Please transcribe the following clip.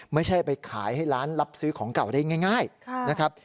ไม่ใช่ไปขายให้ร้านรับซื้อของเก่าได้ง่ายนะครับ